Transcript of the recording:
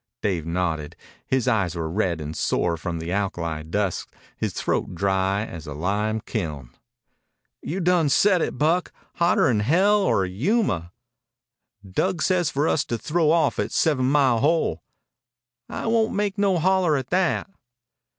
Dave nodded. His eyes were red and sore from the alkali dust, his throat dry as a lime kiln. "You done, said it, Buck. Hotter 'n hell or Yuma." "Dug says for us to throw off at Seven Mile Hole." "I won't make no holler at that."